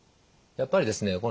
やっぱりですね